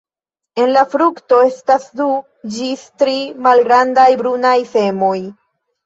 En la frukto estas du ĝis tri malgrandaj brunaj semoj.